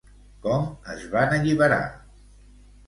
Com es van alliberar?